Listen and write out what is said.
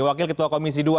wakil ketua komisi ii